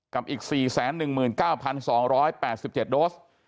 กับอีก๔๑๙๒๘๗โดส